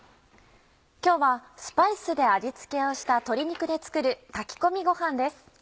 今日はスパイスで味付けをした鶏肉で作る炊き込みごはんです。